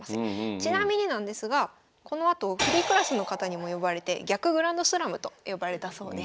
ちなみになんですがこのあとフリークラスの方にも敗れて逆グランドスラムと呼ばれたそうです。